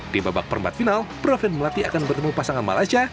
di babak perempat final praven melati akan bertemu pasangan malaysia